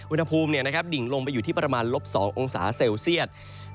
อุณหภูมิดิ่งลงไปอยู่ที่ประมาณลบ๒องศาเซลเซียต